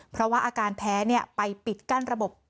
เพราะว่าอาการแพ้ไปปิดกั้นระบบ